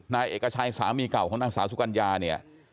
นายเอกชายสามีเก่าของนักศึกัญญาเนี่ย